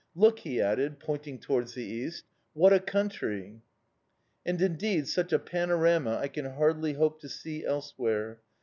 Look!" he added, pointing towards the east. "What a country!" And, indeed, such a panorama I can hardly hope to see elsewhere.